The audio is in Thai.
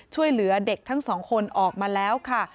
ช่วยเหลือเด็กทั้งสองคนออกมาแล้วค่ะ